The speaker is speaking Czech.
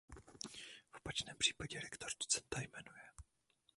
V opačném případě rektor docenta jmenuje.